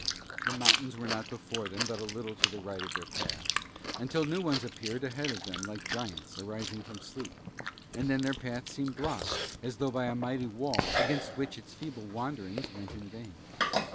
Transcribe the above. The mountains were not before them but a little to the right of their path, until new ones appeared ahead of them like giants arising from sleep, and then their path seemed blocked as though by a mighty wall against which its feeble wanderings went in vain.